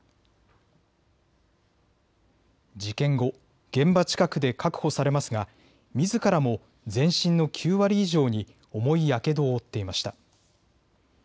事件後、現場近くで確保されますがみずからも全身の９割以上に重いやけどを負っていました。